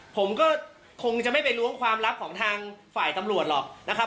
ผมก็คงจะไม่ไปล้วงความลับของทางฝ่ายตำรวจหรอกนะครับ